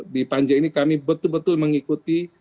di panja ini kami betul betul mengikuti